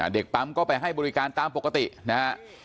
เด็กปั๊มก็ไปให้บริการตามปกตินะฮะ